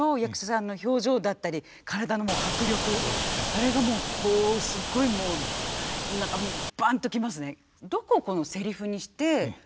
あれがもうこうすごいもう何かバンと来ますね。